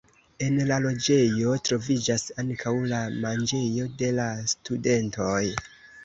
En la loĝejo troviĝas ankaŭ la manĝejo de la studentoj.